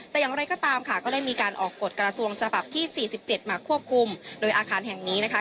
แต่อย่างไรก็ตามค่ะก็ได้มีการออกกฎกระทรวงฉบับที่๔๗มาควบคุมโดยอาคารแห่งนี้นะคะ